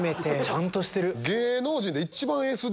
ちゃんとしてる。